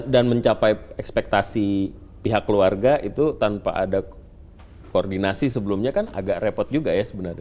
dan mencapai ekspektasi pihak keluarga itu tanpa ada koordinasi sebelumnya kan agak repot juga ya sebenarnya